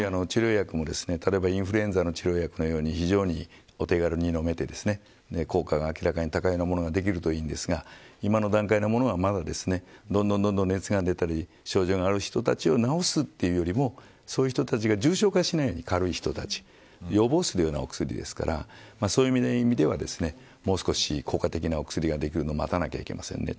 治療薬も例えばインフルエンザの治療薬のように非常にお手軽に飲めて効果が明らかに高いものができるといいんですが今の段階のものは、まだ。どんどん熱が出たり症状のある人たちを治すというよりもそういう人たちが重症化しないような軽い人たち予防するお薬ですからそういう意味では、もう少し効果的な薬ができるのを待たないといけません。